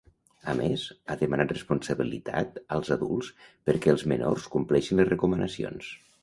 A més, ha demanat responsabilitat als adults perquè els menors compleixin les recomanacions.